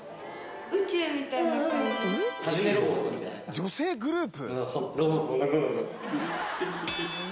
「女性グループ？」